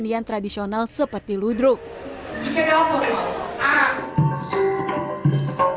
dan juga dikemas dengan berbagai kecanggihan teknologi